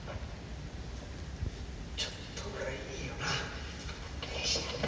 ちょっとぐらいいいよな。